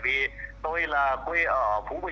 thì tôi cũng đã đi chụp nhiều